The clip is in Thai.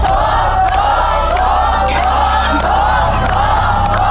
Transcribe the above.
ถูกถูกถูกถูกถูก